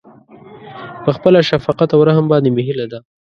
په خپل شفقت او رحم باندې مې هيله ده.